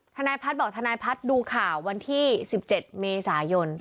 ทนายพัฒน์บอกทนายพัฒน์ดูข่าววันที่๑๗เมษายน